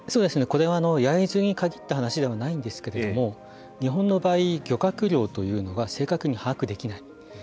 これは焼津に限った話ではないんですけれども日本の場合漁獲量というのは正確に把握できない。